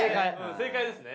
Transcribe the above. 正解ですね。